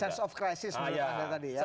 sense of crisis menurut anda tadi ya